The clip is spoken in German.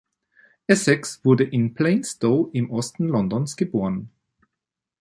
Essex wurde in Plaistow im Osten Londons geboren.